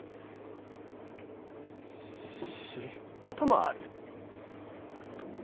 こともある。